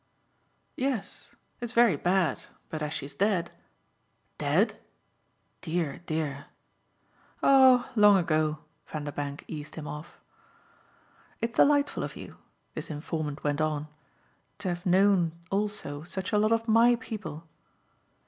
"Yes; it's very bad, but as she's dead " "Dead? Dear, dear!" "Oh long ago" Vanderbank eased him off. "It's delightful of you," this informant went on, "to have known also such a lot of MY people."